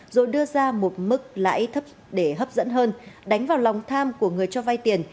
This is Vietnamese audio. rồi đưa ra một mức lãi thấp để hấp dẫn hơn đánh vào lòng tham của người cho vay tiền